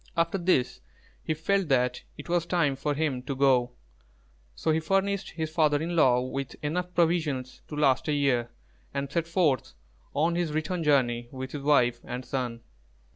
After this, he felt that it was time for him to go; so he furnished his father in law with enough provisions to last a year, and set forth on his return journey with his wife and son.